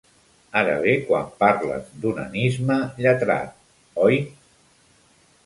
Ara ve quan parles d'onanisme lletrat, oi?